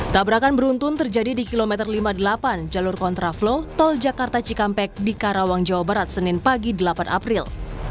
tabrakan beruntun terjadi di kilometer lima puluh delapan jalur kontraflow tol jakarta cikampek di karawang jawa barat senin pagi delapan april